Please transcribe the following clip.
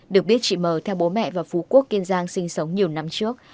được biết chị mờ theo bố mẹ và phú quốc kiên giang sinh sống nhiều năm trước